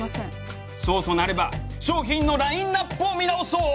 そうとなれば商品のラインナップを見直そう！